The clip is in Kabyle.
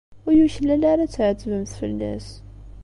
Ur yuklal ara ad tɛettbemt fell-as.